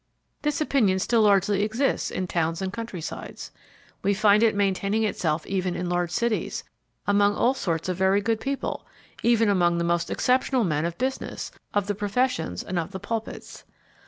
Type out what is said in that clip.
This opinion still largely exists in towns and country sides. We find it maintaining itself even in large cities, among all sorts of very good people, even among the most exceptional men of business, of the professions and of the pulpits.